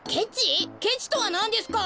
ケチとはなんですか！